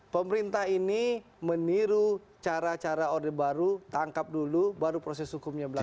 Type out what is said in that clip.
pemerintah ini meniru cara cara order baru tangkap dulu baru proses hukumnya berlaku